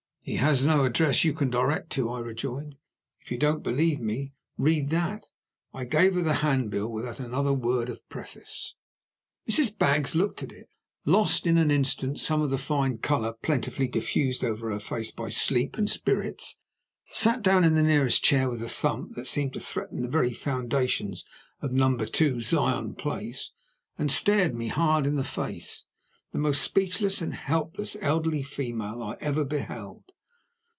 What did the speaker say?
"He has no address you can direct to," I rejoined. "If you don't believe me, read that." I gave her the handbill without another word of preface. Mrs. Baggs looked at it lost in an instant some of the fine color plentifully diffused over her face by sleep and spirits sat down in the nearest chair with a thump that seemed to threaten the very foundations of Number Two, Zion Place and stared me hard in the face; the most speechless and helpless elderly female I ever beheld.